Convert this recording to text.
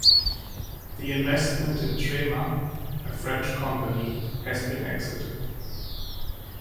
The investment in Trema, a French company, has been exited.